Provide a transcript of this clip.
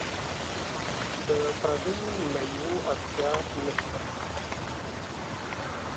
د پردیو میوو اړتیا نشته.